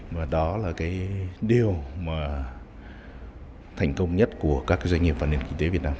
và đó là cái điều mà thành công nhất của các doanh nghiệp và nền kinh tế việt nam